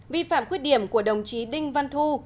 vi phạm khuyết điểm của đồng chí đinh văn thu